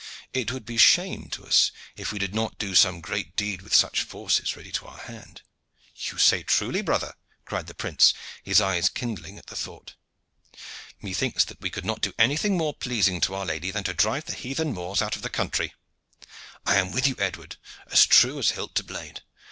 It would be shame to us if we did not do some great deed with such forces ready to our hand." "You say truly, brother," cried the prince, his eyes kindling at the thought. "Methinks that we could not do anything more pleasing to Our Lady than to drive the heathen Moors out of the country." "I am with you, Edward, as true as hilt to blade.